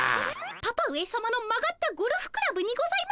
パパ上さまの曲がったゴルフクラブにございますね。